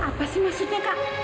apa sih maksudnya kak